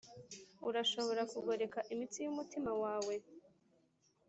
urashobora kugoreka imitsi yumutima wawe?